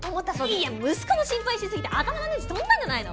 いや息子の心配しすぎて頭のネジ飛んだんじゃないの？